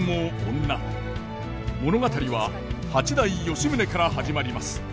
物語は八代・吉宗から始まります。